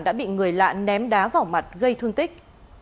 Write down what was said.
đã bị người lạ ném đá vào mặt gây thương tích